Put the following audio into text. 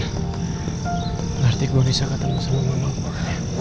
berarti gue bisa ketemu sama mamaku